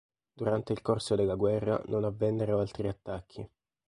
Durante il corso della guerra non avvennero altri attacchi.